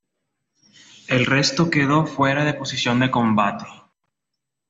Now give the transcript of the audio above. El resto quedó fuera de posición de combate.